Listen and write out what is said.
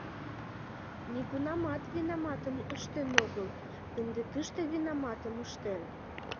Нигунамат винаматым ыштен огыл, ынде тыште винаматым ыштен.